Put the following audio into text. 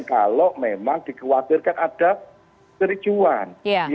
kalau memang dikhawatirkan ada kericuan